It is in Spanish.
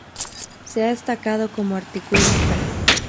Se ha destacado como articulista.